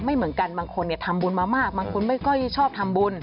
ไม่เหมือนกันบางคนทำบุญมามากบางคนไม่ค่อยชอบทำบุญ